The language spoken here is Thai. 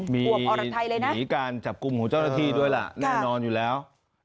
หนีการจับกลุ่มของเจ้าหน้าที่ด้วยล่ะแน่นอนอยู่แล้ว